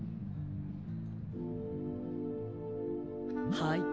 はい。